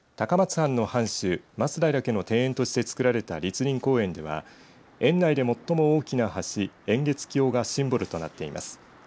藩の藩主松平家の庭園としてつくられた栗林公園では県内で最も大きな橋偃月橋がシンボルとなっています。